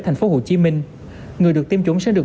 tp hcm người được tiêm chủng sẽ được